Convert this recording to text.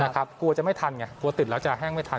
กลัวจะไม่ทันไงกลัวติดแล้วจะแห้งไม่ทัน